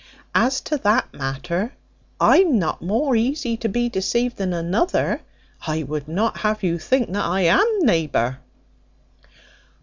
As to that matter, I am not more easy to be deceived than another; I would not have you think I am, neighbour."